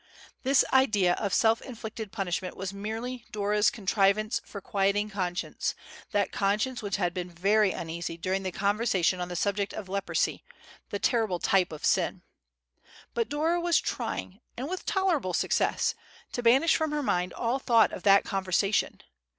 This idea of self inflicted punishment was merely Dora's contrivance for quieting conscience, that conscience which had been very uneasy during the conversation on the subject of leprosy, the terrible type of sin. But Dora was trying, and with tolerable success, to banish from her mind all thought of that conversation.